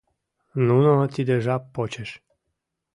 Нуно тиде жап почеш